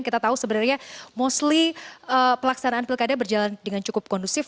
kita tahu sebenarnya mostly pelaksanaan pilkada berjalan dengan cukup kondusif